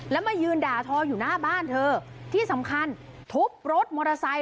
แล้วมายืนด่าทออยู่หน้าบ้านเธอที่สำคัญทุบรถมอเตอร์ไซค